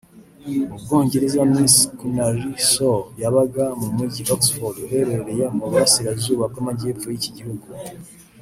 Mu Bwongereza Miss Counary Sow yabaga mu Mujyi Oxford uherereye mu Burasirazuba bw’Amajyepfo y’iki gihugu